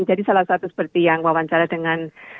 jadi salah satu seperti yang wawancara dengan